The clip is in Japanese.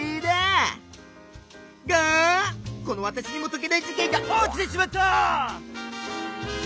がこのわたしにもとけない事けんが起きてしまった！